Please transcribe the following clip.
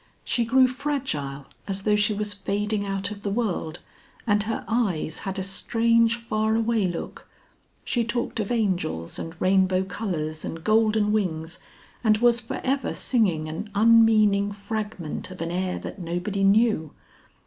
She grew fragile, as though she was fading out of the world, and her eyes had a strange, far away look. She talked of angels and rainbow colours and golden wings, and was for ever singing an unmeaning fragment of an air that nobody knew.